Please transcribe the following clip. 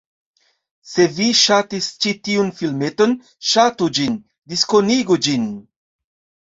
Se vi ŝatis ĉi tiun filmeton, ŝatu ĝin, diskonigu ĝin